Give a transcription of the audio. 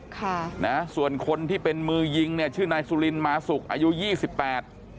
ค่ะนะส่วนคนที่เป็นมือยิงเนี่ยชื่อนายสุรินมาสุกอายุยี่สิบแปด